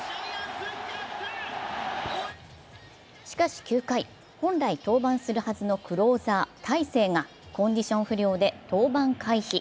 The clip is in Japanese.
しかし、９回、本来登板するはずのクローザー・大勢がコンディション不良で登板回避。